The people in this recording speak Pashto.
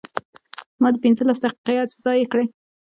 زما دې پنځلس دقیقې هسې ضایع کړې.